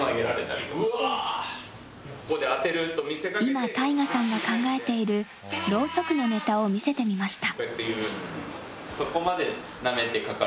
今、ＴＡＩＧＡさんが考えているろうそくのネタを見せてみました。